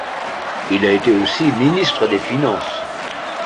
Il a été aussi ministre des Finances.